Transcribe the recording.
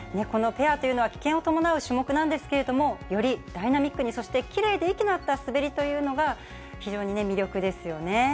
このペアというのは危険を伴う種目なんですけれども、よりダイナミックに、そしてきれいで息の合った滑りというのが、非常に魅力ですよね。